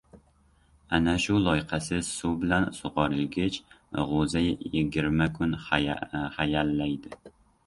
Ana shu loyqasiz suv bilan sug‘orilgich g‘o‘za yigirma kun hayallaydi.